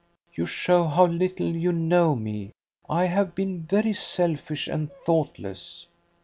"You show how little you know me. I have been very selfish and thoughtless."